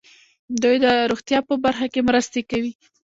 دوی د روغتیا په برخه کې مرستې کوي.